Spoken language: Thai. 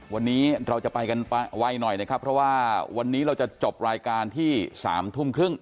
วันนี้เราจะไปกันไวหน่อยนะครับเพราะว่าวันนี้เราจะจบรายการที่๓ทุ่มครึ่ง